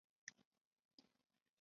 东海北陆自动车道。